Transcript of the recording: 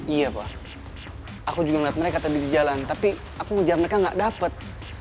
iya pak aku juga ngeliat mereka tadi di jalan tapi aku ngejar mereka gak dapet